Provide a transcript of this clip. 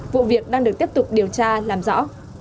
vụ việc đang được tiếp tục điều tra làm rõ